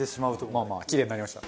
まあまあキレイになりました。